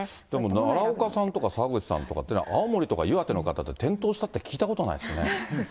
奈良岡さんとか澤口さんとかって、青森とか岩手の方って、転倒したって聞いたことないですね。